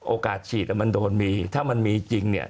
โอกาสฉีดมันโดนมีถ้ามันมีจริงเนี่ย